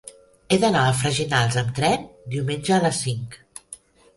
He d'anar a Freginals amb tren diumenge a les cinc.